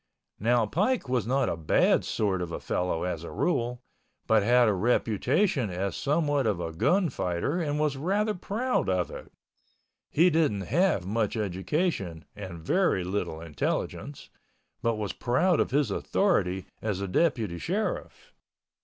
Now Pike was not a bad sort of a fellow as a rule, but had a reputation as somewhat of a gun fighter and was rather proud of it—he didn't have much education and very little intelligence—but was proud of his authority as a Deputy Sheriff.